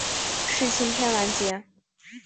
世青篇完结。